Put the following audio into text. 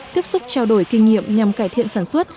tiếp xúc trao đổi kinh nghiệm nhằm cải thiện sản xuất